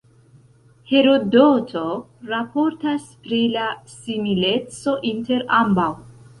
Herodoto raportas pri la simileco inter ambaŭ.